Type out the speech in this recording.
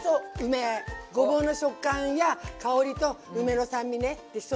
ごぼうの食感や香りと梅の酸味ねでし